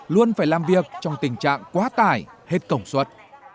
luôn phải làm việc trong tình trạng quá tải hết cổng suất